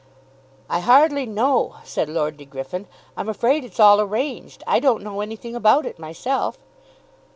"I hardly know," said Lord De Griffin. "I'm afraid it's all arranged. I don't know anything about it myself."